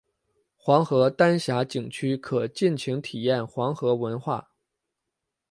黄河丹霞景区可尽情体验黄河文化。